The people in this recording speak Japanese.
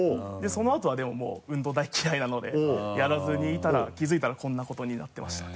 そのあとはでももう運動大嫌いなのでやらずにいたら気付いたらこんなことになってました。